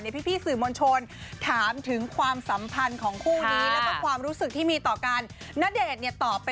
เนี่ยพี่สื่อมนชนถามถึงความสัมพันธ์ของคู่นี้ค่ะ